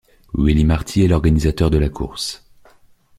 Ueli Marti est l'organisateur de la course.